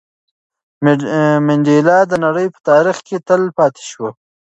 منډېلا د نړۍ په تاریخ کې تل پاتې شو.